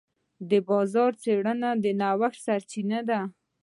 د بازار څېړنه د نوښت سرچینه ده.